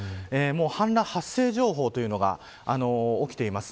氾濫発生情報というのが起きています。